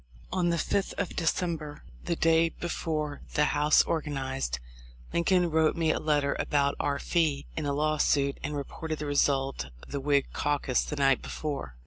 On the 5th of December, the day before the House organized, Lincoln wrote me a letter about our fee in a law suit and reported the result of the Whig caucus the night before.